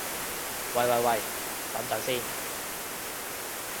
喂喂喂，等陣先